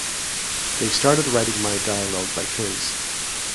They started writing my dialogue like his.